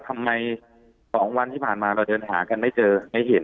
ทำไม๒วันที่ผ่านมาเราเดินหากันไม่เจอในเหตุ